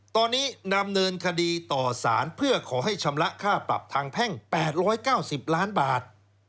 ตอนนี้นำเนินคดีต่อสารเพื่อขอให้ชำระค่าปรับทางแพ่ง๘๙๐ล้านบาท